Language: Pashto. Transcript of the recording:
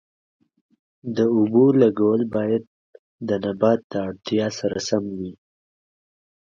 د اوبو لګول باید د نبات د اړتیا سره سم وي.